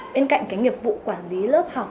bên cạnh cái nghiệp vụ quản lý lớp học